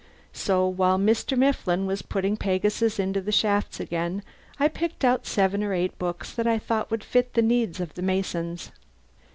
So while Mifflin was putting Pegasus into the shafts again I picked out seven or eight books that I thought would fit the needs of the Masons.